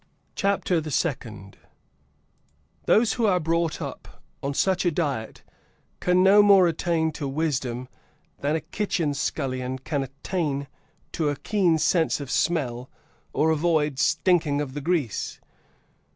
CHAPTER THE SECOND. Those who are brought up on such a diet can no more attain to wisdom than a kitchen scullion can attain to a keen sense of smell or avoid stinking of the grease.